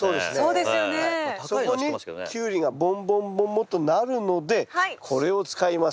そこにキュウリがボンボンボンボンとなるのでこれを使います。